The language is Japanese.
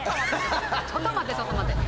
ちょっと待ってちょっと待って。